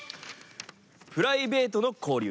「プライベートの交流」。